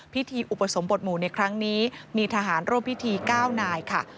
อุปสมบทหมู่ในครั้งนี้มีทหารร่วมพิธี๙นายค่ะ